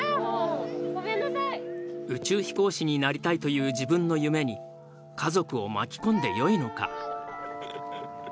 宇宙飛行士になりたいという自分の夢に家族を巻き込んでよいのか。